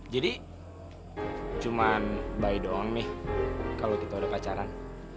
jadi cuman bye doang nih kalau kita udah pacaran